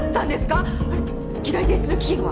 あれ議題提出の期限は？